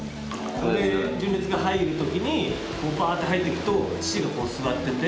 で純烈が入る時にバーって入っていくと父が座ってて。